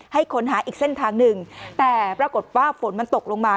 ค้นหาอีกเส้นทางหนึ่งแต่ปรากฏว่าฝนมันตกลงมา